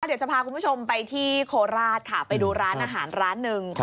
เดี๋ยวจะพาคุณผู้ชมไปที่โคราชค่ะไปดูร้านอาหารร้านหนึ่ง